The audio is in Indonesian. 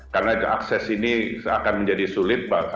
karena akses ini akan menjadi sulit